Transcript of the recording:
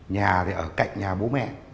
nhà thì ở cạnh nhà bố mẹ